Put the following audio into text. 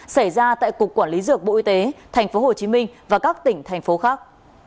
xảy ra tại cục quản lý dược bộ y tế tp hcm và các tỉnh thành phố khác